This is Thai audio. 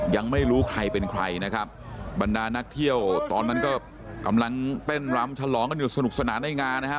ยังไม่รู้ใครเป็นใครนะครับบรรดานักเที่ยวตอนนั้นก็กำลังเต้นรำฉลองกันอยู่สนุกสนานในงานนะครับ